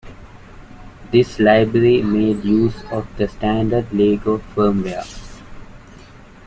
This library made use of the standard Lego firmware.